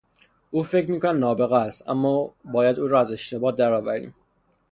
او فکر میکند نابغه است، اما باید او را از اشتباه درآوریم.